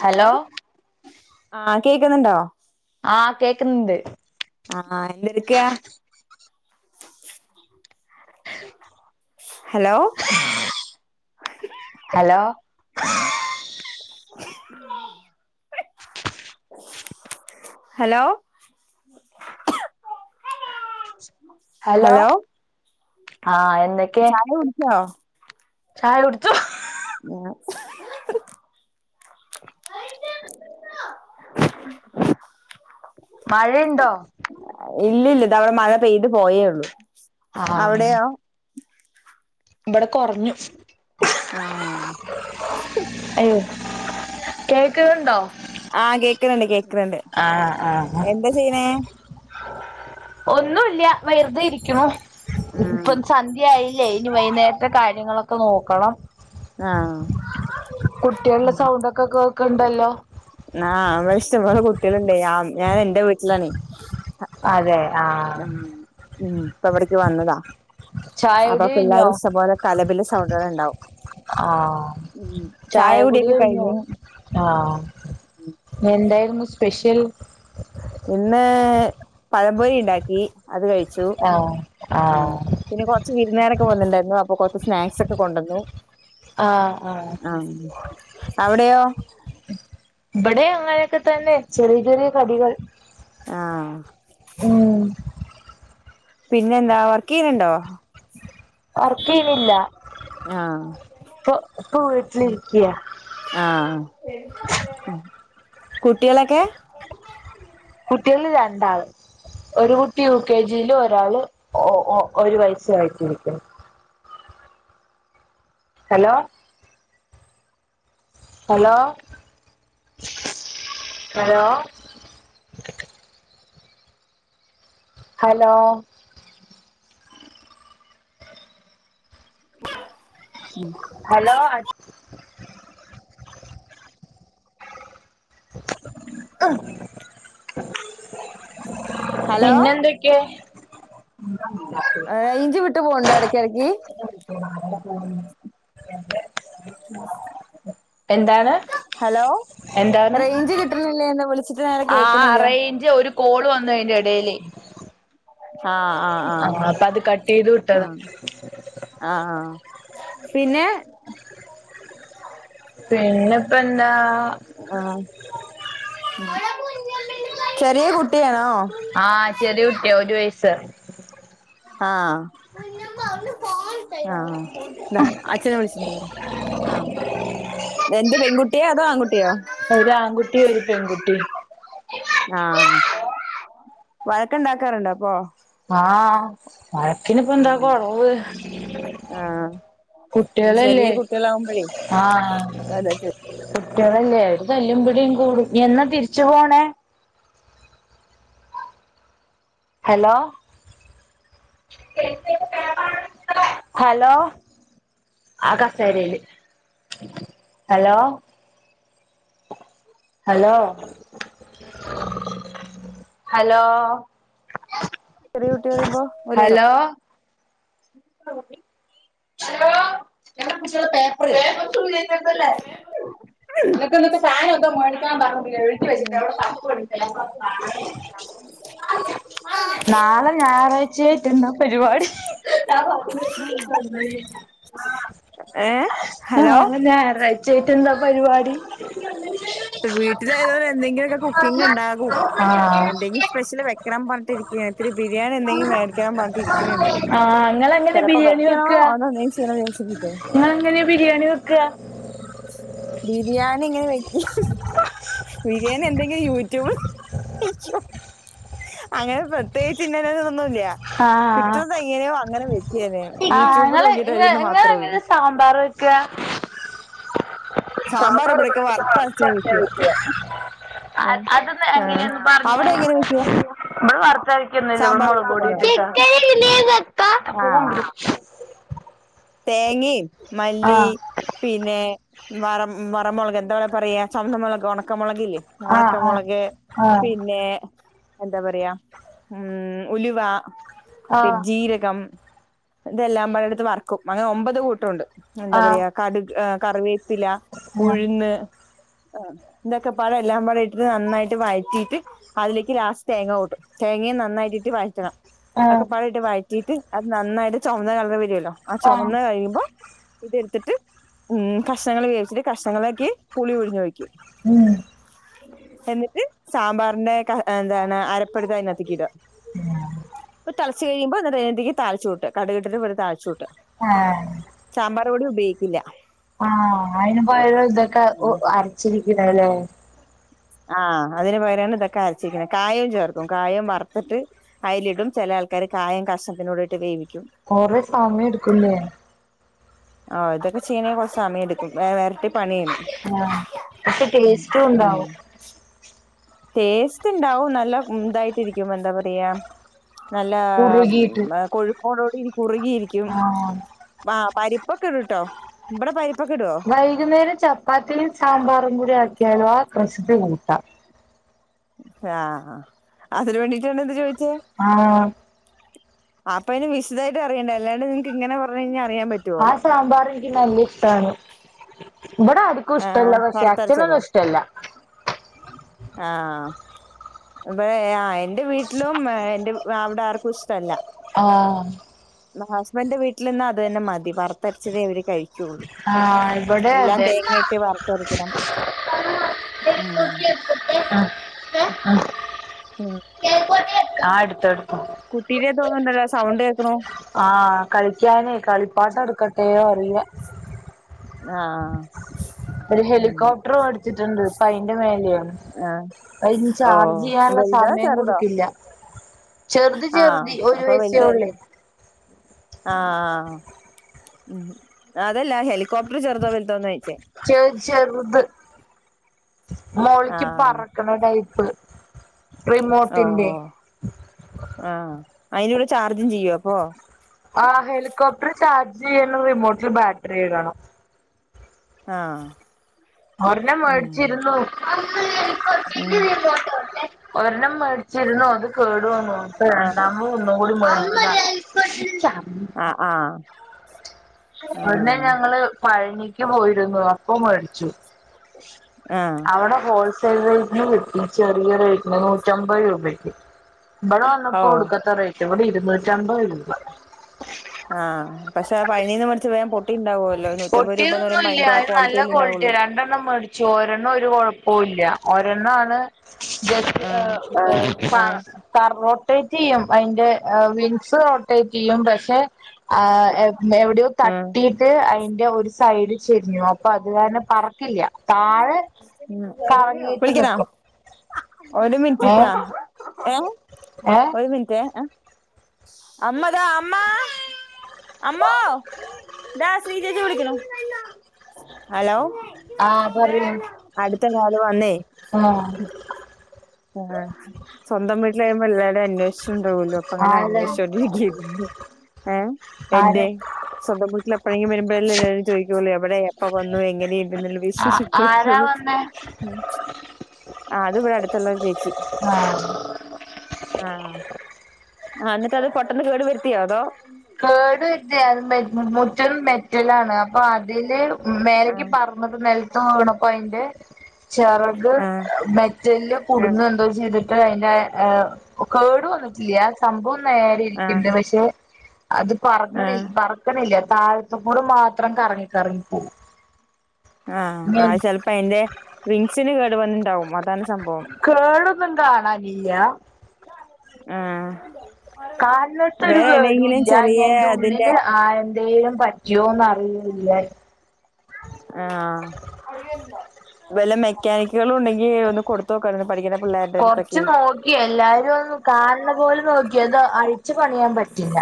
Hello ആഹ് കേക്കുന്നുണ്ടോ. ആഹ് കേക്കുന്നുണ്ട്. അ ആഹ് എന്തെട്ക്കാ. ഹലോ. ഹലോ. ഹലോ. ഹലോ ആഹ് എന്തൊ ചായ കുടിച്ചോ. ചായ കുട്ച്ചു. മഴയ്ണ്ടോ ഇല്ലില്ല ഇതവ്ടെ മഴ പെയ്ത് പോയേള്ളു ആ അവിടയോ ഇബടെ കൊറഞ്ഞു ആഹ് അയോ കേൾക്കണുണ്ടോ ആഹ് കേക്കണണ്ട് കേക്കണണ്ട് ആഹ് ആഹ് ആഹ് എന്താ ചെയ്യണേ ഒന്നൂല്ല വെറുതെ ഇരിക്കുണു ഉം ഇപ്പം സ ന്ധ്യയായില്ലേ ഇനി വൈകുന്നേരത്തെ കാര്യങ്ങളൊക്കെ നോക്കണം. ആഹ് കുട്ടിയോളുടെ സൗണ്ടൊക്കെ കേക്ക്‌ണ്ടല്ലോ ആഹ് നമ്മള ഇഷ്ടംപോലെ കുട്ടികളുണ്ട് ഞാൻ എന്റെ വീട്ടിലാണെ അതെ ആഹ് ആഹ് ഉം ഇപ്പൊവിട്ക്ക് വന്നതാ അപ്പൊ ചായകുടി പിള്ളേർ കഴിഞ്ഞോ ഇഷ്ടം പോലെ കലപില സൗണ്ട് കൾ ഉണ്ടാവും ആ ചായ കുടിയൊക്കെ കഴിഞ്ഞു ആഹ് ഇന്നെന്തായിരുന്നു സ്പെഷ്യൽ ഇന്ന് പഴംപൊരി ഉണ്ടാക്കി അത് കഴിച്ചു ആ ഉം ആ പിന്നെ കുറച്ച് വിരുന്നേരൊക്കെ വന്നിണ്ടായിരുന്നു അപ്പൊ കൊറച്ച് സ്നാക്സ് ഒക്കെ കൊണ്ടന്നു ആഹ് ആഹ് ആം അവിടെയോ ഇബടേം അങ്ങനെയൊക്കെ തന്നെ ചെറിയ ചെറിയ കടികൾ ആഹ് ഉം പിന്നെ എന്താ വർക്ക് ചെയ്യുന്നുണ്ടോ വർക്ക് ചെയ്യുന്നില്ല ആഹ് ഇപ്പൊ ഇപ്പൊ വീട്ടിലിരിക്ക്യാ ആഹ് കുട്ടികളൊക്കെ കുട്ടികള് രണ്ടാള് ഒരു കുട്ടി യു കെ ജിയില് ഒരാള് ഓ ഓ ഓ ഒരു വയസ്സായിട്ടിരിക്ക്‌ണ് ഹലോ ഹലോ ഹലോ ഹലോ ഉം ഹലോ അഹ് ഹലോ പിന്നെ എന്തൊക്കെ റയ്ഞ്ച് വിട്ട് പോണിണ്ടൊ ഇടക്കിടയ്ക്ക് [inaudible] പോവുന്നു അംസ് [inaudible] എന്താണ് എന്താണ് റേഞ്ച് കിട്ടണില്ലേന്ന് വിളിച്ചിട്ട് നേരെ ആഹ് കേക്കണില്ല റയിഞ്ച് ഒരു കോള് വന്നു അയിന്റെ എടേലേ ആഹ് ആഹ് അപ്പ അത് കട്ട് ചെയ്ത് വിട്ടതാ ആഹ് ആഹ് ആഹ് പിന്നെ പിന്നെപ്പ എന്താ ആഹ് ആഹ് ചെറിയ കുട്ടിയാണോ ആഹ് ചെറിയ കുട്ടിയാ ഒരു വയസ് ആഹ് ആഹ് ദാ അഛനെ വിളിച്ചോണ്ട് വരാ ആഹ് രണ്ട് പെൺകുട്ടിയോ അതോ ആൺകുട്ടിയോ ഒരു ആൺകുട്ടീം ഒരു പെൺകുട്ടീം ആഹ് വഴക്ക്‌ ഉണ്ടാക്കാറുണ്ടോ അപ്പൊ? ആഹ് വഴക്കിനിപ്പന്താ ആഹ് കൊറവ് ആഹ് ചെറിയ കുട്ട്യാളല്ലേ കുട്ടികളാവുമ്പോഴേ ആഹ് അതെ കുട്ട്യാളല്ലേ അവര് തല്ലും പിടിയും കൂടും എന്നാ തിരിച്ചു പോണേ ഹലോ [unintelligible] ഹലോ ആ കസേരയില് ഹലോ ഹലോ ഹലോ ചെറീ കുട്ടി പറീമ്പം ഒര് വയസ്സൊ ഹലോ [unintelligible] കുട്ടി ഹലോ വേറൊന്നും കേക്കത്തില്ലെ നിനക്ക് ഇന്നട്ട് ഫാനൊക്കെ മേടിക്കാൻ പറഞ്ഞട്ടില്ലെ വീട്ട് വെച്ചിട്ട് [unintelligible] ആഹ് നാളെ ഞായറാഴ്ചയായിട്ടെന്താ പരിപാടി ഏഹ് ഹലോ നാളെ ഞായറാഴ്ച്ചായിട്ടെന്താ പരിപാടി വീട്ടിലായതോണ്ട് എന്തെങ്കിലൊക്കെ കുക്കിംഗ് ഇണ്ടാവും ആഹ് എന്തെങ്കിലും സ്പെഷ്യല് വെക്കണം പറഞ്ഞിട്ടിരിക്യാ ഇത്തിരി ബിരിയാണി എന്തെങ്കിലും മേടിക്കണം പറഞ്ഞിട്ട് ഇരിക്കിണ് ണ്ട് ഇങ്ങളെങ്ങന്യാ എങ്ങനെ ബിരിയാണി വെക്കാ നീ ചെയ്യണോ വിചാരിച്ചിരിക്ക ഇങ്ങള് എങ്ങനെ ബിരിയാണി വെക്കാ ബിരിയാണി എങ്ങനെ വെ ബിരിയാണി എന്തെങ്കിലും യൂട്യൂബ് വെക്യും അങ്ങനെ പ്രത്യേകിച്ച് ഇന്നന്നതൊ തൊന്നുംല്യാ ആഹ് കിട്ടണെതെങ്ങനോ അങ്ങനെ വെക്ക്യന്നെ യൂട്യൂബ് നോക്കീട്ടായിരിക്കുന്ന് മാത്രൊള്ളൂ സാമ്പാറ് വെക്കാ സാമ്പാർ സാമ്പാറ് ഇവിടെയൊക്കെ ഇവടെന്തെക്യൊ വറുത്തരച്ച വർത്തരച്ചാ വെക്കുക വെക്കാ അത് ഒന്ന് ആ എങ്ങനെയാന്ന് പറഞ്ഞ് അവിടെ തരോ എങ്ങനെ വെക്കുക ഇവടെ വർത്തരക്കൊന്നുല്ല ഇവടെ സാമ്പാർ മൊളക് പൊടി വെക്കുന്നത് ഇടൊള്ളു കറി എങ്ങനെ വെക്കാ തേങ്ങിം മല്ലീ ആഹ് പിന്നെ വറം വറമുളക് എന്താ വടെ പറയാ ചുവന്തമുളക് ഉണക്കമുളക് ല്ലേ ആഹ് ഒണക്കമുളക് ആഹ് പിന്നെ എന്താ പറയാ ഉം ഉലുവ ആഹ് പെരുംജീരകം ഇതെല്ലാം പാടെ ഇട്ത്ത് വറക്കും അങ്ങനെ ഒമ്പത് കൂട്ടോണ്ട് ആഹ് എന്താ ആഹ് പറയാ കടു കറിവേ പ്പില ഉഴുന്ന് അഹ് ഇതൊക്കെപാടെ എല്ലാം പാടെ ഇട്ടിട്ട് നന്നായിട്ട് വയറ്റീട്ട് അതിലേക്ക് ലാസ്റ്റ് തേങ്ങ കൂട്ടും തേങ്ങയും നന്നായിട്ടിട്ട് വയറ്റണം ആഹ് ഒക്കെ ആഹ് പാടെ ഇട്ട് വയറ്റിട്ട് അത് നന്നായിട്ട് ചൊമന്ന കളറ് വരൊല്ലോ ആ ആഹ് ചൊമന്ന് കഴിയുമ്പം ഇതെടുത്തിട്ട് ഉം കഷ്ണങ്ങൾ വേവിച്ചിട്ട് കഷ്ണങ്ങളാക്കി പുളി പുഴിഞ്ഞു ഒഴിയ്ക്കും. ഊം എന്നിട്ട് സാമ്പാറിന്റെ എന്താണ് അരപ്പെടുത്ത് അതിനാത്തേക്കിട അപ്പം തളച്ച് കഴിയുമ്പം ഒന്ന് വെന്തിങ്കി താളിച്ചു കൂട്ട കടുകിട്ടിട്ട് താളിച്ച് കൂട്ട ആഹ് സാമ്പാർ പൊടി ഉപയോഗിക്കില്ല ആഹ് അയ്ന് പകരം ഇതൊക്കെ ഉം അരച്ചിരിക്ക്ണേ ലേ ആഹ് അതിന് പകരാണ് ഇതൊക്കെ അരച്ചിരിക്ക്ണത് കായവും ചേർക്കും കായം വർത്തിട്ട് അയ്ലിടും ചെല ആൾക്കാര് കായം കഷ്ണത്തിൻ്റൂടെ ഇട്ട് വേവിക്കും കൊറെ സമയം എടുക്കും ല്ലേ ആഹ് ഇതൊക്കെ ചെയ്യണേ കൊർച്ച് സമയെടുക്കും എരട്ടി പണേണ് ആഹ് പക്ഷെ ടേസ്റ്റൂണ്ടാവും [inaudible] ടേസ്റ്റ് ഉണ്ടാവും നല്ല ഇതായിട്ടിരിയ്ക്കും എന്താ പറയാ നല്ല കുറുകിയിട്ട് കൊഴുപ്പോടോടി കുറുകിയിരിയ്ക്കും ആഹ് ആഹ് പരിപ്പൊക്കെ ഇടുട്ടോ ഇവടെ പരിപ്പൊക്കെ ഇടോ വൈകുന്നേരം ചപ്പാത്തിയും സാമ്പാറും കൂടി ആക്കിയാലും ആ ക്രശ് ല് കൂട്ടാ ആഹ് ആഹ് അതിന് വേണ്ടിട്ടാണൊ ഇത് ചോയ്ച്ചേ ആഹ് അപ്പൊ അന് വിശദായിട്ട് അറിയണ്ടേ അല്ലാണ്ട് നിനക്ക് ഇങ്ങനെ പറഞ്ഞു കഴിഞ്ഞാ അറിയാൻ പറ്റും. ആ സാമ്പാർ എനിക്ക് നല്ല ഇഷ്ടമാണ് ഇവിടെ അടു ക്കും ഇഷ്ട്ടല്ല ആഹ് പക്ഷേ വറുത്തരച്ചതോ അച്ഛനൊന്നുഷ്ട്ടല്ല. ആഹ് ആഹ് എന്റെ വീട്ടിലും എന്റെ അവിടെ ആർക്കും ഇഷ്ട്ടല്ല. ആഹ് ഇന്നാ ഹസ്ബൻന്റെ വീട്ടിൽ നിന്ന അത് തന്നെ മതി വറുത്തരച്ചത് അവര് കഴി ക്കൊള്ളൂ ആഹ് ഇവിടെ എല്ലാം അതെ തേങ്ങയിട്ട് വർത്തരക്കണം. ഉം കൈക്കോട്ടി എടുത്തിട്ട് ആ ഉം ആഹ് ആഹ് എടുത്തോ എടുത്തോ കുട്ടിടെ തോന്നുന്നുണ്ടല്ലോ സൗണ്ട് കേൾക്കണു ആഹ് കളിക്കാനേ കളിപ്പാട്ട എടുക്കട്ടെ അറിയ ആഹ് ഒരു ഹെലികോപ്റ്ററ് വേടിച്ചിട്ടുണ്ട് ഇപ്പ അയിന്റെ മേലെയാണ്. ആഹ് അയ്ന് ഓ ചാർജ് ചെയ്യാനുള്ള വലുതോ സമയം ചെറുതോ കൊടുക്കില്ല. ചെറുത് ആഹ് ചെറുതി ഒരു അപ്പൊ വയസ്സേ ഉള്ളേ വലുതായിരിക്കും ആഹ് ഉം അതല്ല ഹെലികോപ്റ്റർ ചേറുതോ വലുതോന്ന ചോയ്ച്ചേ. ചെ ചെറുത് മോള്ക്ക് ആഹ് പറക്കണ ടൈപ്പ്. ഓഹ് റിമോട്ടിന്റെ ഓഹ് ആഹ് അയ്ന് ചാർജും ചെയ്യോ അപ്പൊ. ആഹ് ഹെലികോപ്റ്റർ ചാർജ് ചെയ്യണം റിമോട്ടിൽ ബാറ്ററി ഇടണം. ആഹ് ഒരെണ്ണം ഉം മേടിച്ചിരുന്നു. ഉം ഒരെണ്ണം മേടിച്ചിരുന്നു അത് കേടുവന്നു. ഇപ്പ ആഹ് രണ്ടാമത് ഒന്നും കൂടി ആഹ് മേടിച്ചതാ ആഹ് ആഹ് ഒരെണ്ണം ആഹ് ഞങ്ങള് പഴനിക്ക് പോയിരുന്നു അപ്പൊ മേടിച്ചു. ആഹ് അവിടെ ഹോൾസെയിൽ റേറ്റിന് കിട്ടി ചെറിയ റേറ്റിന് നൂറ്റമ്പത് രൂപക്ക്. അവ്ടെ ഓ വന്നപ്പോ ഒടുക്കത്ത റൈറ്റും ഇവടെ ഇരുന്നൂറ്റമ്പത് രൂപ. ആ പക്ഷേ ആ പനി ഒക്ക പേടിച് വേഗം പൊട്ടി ഇണ്ടാവോ പൊട്ടിയതൊന്നുല്ല അത് നല്ല ക്വാളിറ്റിയ ഉണ്ടാവുള്ളൂ രണ്ടെണ്ണം മ പക്ഷെ ഒരെണ്ണ ഒരു കോഴപ്പുല്ല ഒരണ്ണാണ് ജസ്റ്റ് ആഹ് ആഹ് [unintelligible] റോട്ടേറ്റ് ചെയ്യും അയിന്റെ ആ വിങ്സ് റോട്ടേറ്റ് ചെയ്യും പക്ഷെ ആ എ എവ്ടെയോ ആഹ് തട്ടിയിട്ട് അഴി ഞ ഒരു സൈഡ് ചെര്ഞ്ഞു. ഇപ്പ അത് കാരണം പറക്കില്ല താഴെ കറങ്ങീട്ട് വിളിക്കണോ നിക്കും. ഒരു മിൻറ്റ് ഏ ട്ടാ ഏ ഏ ഒര് മിൻറ്റേ അമ്മതാ അമ്മ അമ്മ ദാ ശ്രീജേച്ചി വിളിക്ക്ണൂ. ഹലോ ആ പറയൂ അട്ത്ത കോള് വന്നേ ആ ആ സ്വന്തം വീട്ട്ലായ്മ്പം എല്ലാ അന്വേഷിച് ഇണ്ടാവോല്ലോ അപ്പ അങ്ങനെ ആരാ അന്നേഷ്ച്ചോണ്ടിരിക്കാഴിരുന്നു ഏ ആരാ എന്റെ സ്വന്തം വീട്ട്ല് എപ്പഴെങ്കിം വരുമ്പയല്ലേ ചോ ചോയിക്കൊള്ളൂ എവടെ എപ്പ വന്നു എങ്ങനെ [unintelligible] ആരാ വന്നേ ആ അത് ഇവട അടുത്തുള്ളരു ചേച്ചി ആ ആ ആ ന്നട്ട് അത് പോട്ടെന്ന് കേട് വരുത്തിയൊ അതോ. കേട് [unintelligible] മുറ്റം മെറ്റലാണ് അപ്പൊ അതില് മേലക്ക് ആഹ് പർ [unintelligible] നെൽത്ത് വീണപ്പ അഴിന്റെ ചെറക് ആഹ് മെ ജെല്ല് ആഹ് കുടുങ്ങ എന്തോ ചെയ്ത്ട്ട് അഴിന്റെ കേട് വന്നിട്ടില്ല. സംഭവം നേരെ ഇരിക്ക്ണ്ട് ആഹ് പക്ഷെ അത് പറക്ക്ണി ആഹ് പറക്ക്ണില്ല താഴത്ത് കൂട മാത്രം കറങ്ങി കറങ്ങി പോവും ആ അത് ചെൽപ്പ അഴിന്റെ വിങ്സിന് കേട് വന്ന്ണ്ടാവും അതാണ് സംഭവം കാണാനിയ്യ ആഹ് കാൺണോട്ത്തൊരു വേറെ കേടു ഏതെങ്കിലും ഇല്ല ഇഞ് ചെറിയ അയിന്റെ അതിന്റെ ഉള്ളില് ആ എന്തേലും പ ജ്യോന്ന് അറിഴിണില്ല ആ വല്ല മെക്കാനിക് കളുണ്ടങ്കി ഒന്ന് കൊടുത്തൊക്കായിരുന്നു പഠിക്ക്ണ പിള്ളേർട അട്ത്തെക്കെ എല്ലാരു ഒന്നു കാൺണ പോൽ നോക്കിയതൊ അഴിച്ചു പണിയാം പറ്റില്ല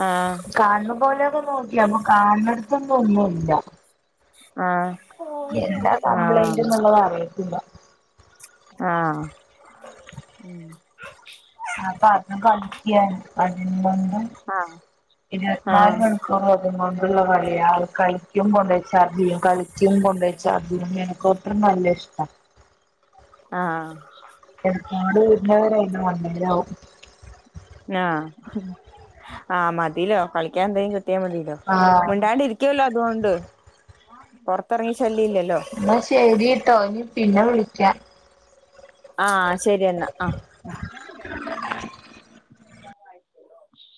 ആ കാൺണ പോലെയൊക്ക നോക്കി അപ്പം കാൺണോട്ത്തൊന്ന് ഒന്നുല്ല ആ എന്താ കംപ്ലൈന്റ് ന്ന്ള്ളത് അറിയത്തില്ല ആ ഉം അപ്പ അത് കളിക്ക്യാണ് [unintelligible] ണ്ടും ആഹ് ആഹ് ഇർവത്ത്നാല് [unintelligible] കൊണ്ടുള്ള കളിയ കളിക്യും കൊണ്ടയ്‌ ചാർജയ്യും കളിക്യും കൊണ്ടയ്‌ ചാർജയ്യും ഹെലികോപ്റ്റർ നല്ല ഇഷ്ട ആ എന്നാലു [unintelligible] വും ആ ആ മതിലോ കളിക്യാൻ എന്തേ കിട്ടിയ മതില്ലോ ആഹ് മുണ്ടാണ്ട് ര് ക്ക്യല്ലോ അതുകൊണ്ട് പൊറത്തറങ്ങി ശല്ല്യ ഇല്ലല്ലോ ന്നാ ശരി ട്ടോ ഇഞ് പിന്നെ വിളിക്യ ആ ശരി എന്നാ ആ [unintelligible]